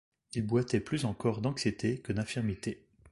Il boitait plus encore d’anxiété que d’infirmité.